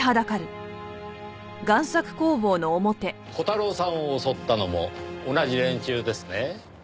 虎太郎さんを襲ったのも同じ連中ですね？